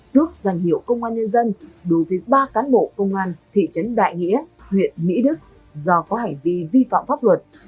tước danh hiệu công an nhân dân đối với ba cán bộ công an thị trấn đại nghĩa huyện mỹ đức do có hành vi vi phạm pháp luật